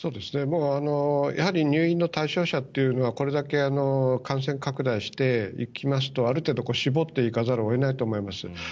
やはり入院の対象者というのがこれだけ感染拡大してきますとある程度、絞っていかざるを得ないと思います。